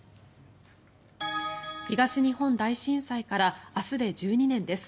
東日本大震災から明日で１２年です。